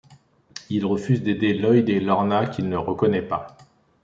Il refuse d'aider Lloyd et Lorna, qu'il ne reconnaît pas.